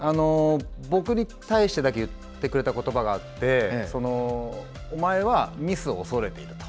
僕に対してだけ言ってくれた言葉があってお前はミスを恐れていると。